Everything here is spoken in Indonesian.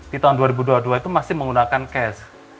di tahun dua ribu dua puluh dua itu masih menggunakan cash